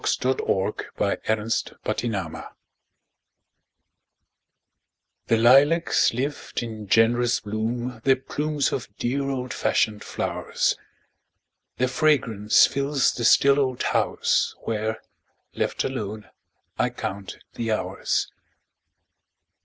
W X . Y Z At Home From Church THE lilacs lift in generous bloom Their plumes of dear old fashioned flowers; Their fragrance fills the still old house Where left alone I count the hours.